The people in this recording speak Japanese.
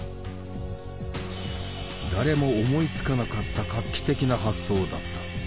誰も思いつかなかった画期的な発想だった。